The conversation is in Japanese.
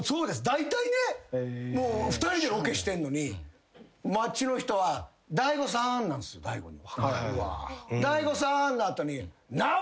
だいたいね２人でロケしてんのに街の人は「大悟さん」なんすよ大悟に。